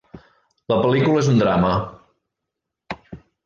La pel·lícula és un drama.